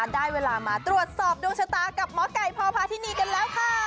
ได้เวลามาตรวจสอบดวงชะตากับหมอไก่พพาธินีกันแล้วค่ะ